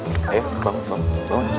ini tidurannya aneh aneh aja